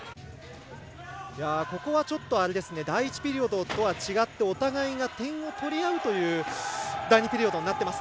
ここは第１ピリオドと違ってお互いが点を取り合うという第２ピリオドになっています。